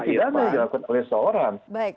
pidana yang dilakukan oleh seorang